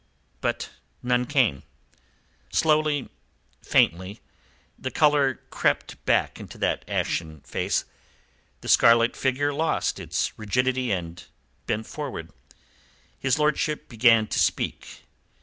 But none came. Slowly, faintly, the colour crept back into that ashen face. The scarlet figure lost its rigidity, and bent forward. His lordship began to speak.